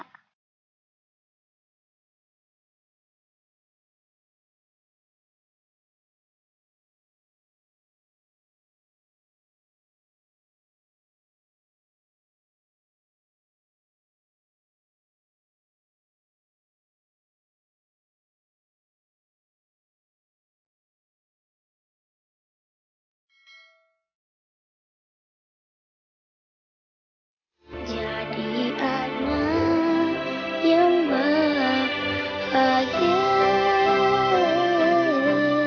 jadi adanya yang berakhir